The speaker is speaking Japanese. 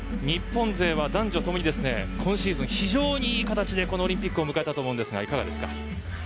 日本勢は男女ともに今シーズン非常にいい形でオリンピックを迎えたと思いますがどうでしょうか？